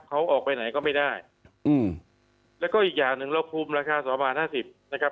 เขาออกไปไหนก็ไม่ได้อืมแล้วก็อีกอย่างหนึ่งเราคุมราคาสองบาทห้าสิบนะครับ